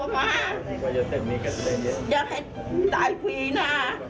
อยากให้ตายฟรีนะ